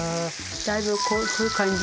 だいぶこういう感じ。